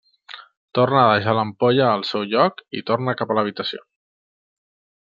Torna a deixar l'ampolla al seu lloc i torna cap a l'habitació.